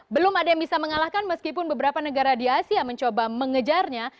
belum ada yang bisa mengalahkan meskipun beberapa negara di asia mencoba mengejarnya